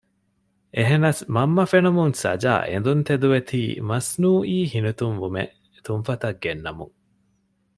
އެހެނަސް މަންމަ ފެނުމުން ސަޖާ އެނދުންތެދުވެތީ މަސްނުއީ ހިނިތުންވުމެއް ތުންފަތަށް ގެންނަމުން